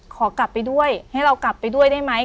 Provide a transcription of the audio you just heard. ขอกลับไปด้วยให้เรากลับไปด้วยได้ไหม